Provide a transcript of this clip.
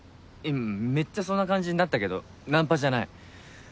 めっちゃそんな感じになったけどナンパじゃない。